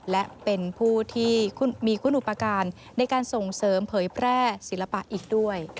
และเป็นผู้ที่มีคุณอุปการณ์ในการส่งเสริมเผยแพร่ศิลปะอีกด้วย